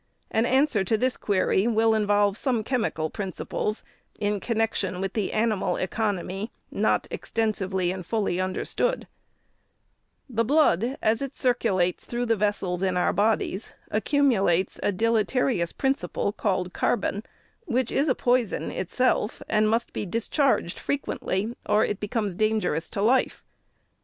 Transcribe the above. " An answer to this query will involve some chemical principles, in connection with the animal economy, not extensively and fully under" stood The blood, as it circulates through the vessels in our bodies, accumu lates a deleterious principle called CARBON, which is a poison itself, and must be discharged frequently, or it becomes dangerous to life.